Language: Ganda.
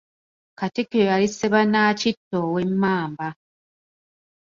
Katikkiro yali Sebanaakitta ow'Emmamba.